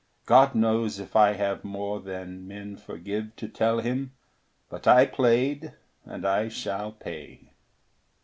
God knows if I have more than men forgive To tell him; but I played, and I shall pay.